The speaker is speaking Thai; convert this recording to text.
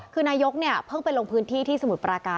คือนายกเนี่ยเพิ่งไปลงพื้นที่ที่สมุทรปราการ